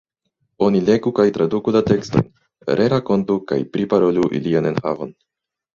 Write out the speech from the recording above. Oni legu kaj traduku la tekstojn, rerakontu kaj priparolu ilian enhavon.